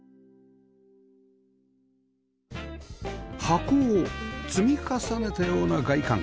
箱を積み重ねたような外観